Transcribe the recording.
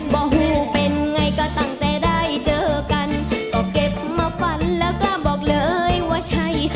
บอกหูเป็นไงก็ตั้งแต่ได้เจอกันก็เก็บมาฝันแล้วกล้าบอกเลยว่าใช่